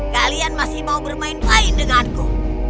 kalian masih mau bermain main denganku